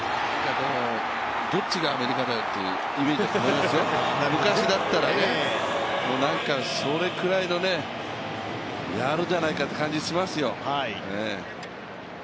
どっちがアメリカだよっていうイメージだと思いますよ、昔だったらね、なんかそれくらいのね、やるじゃないかという感じしますよ。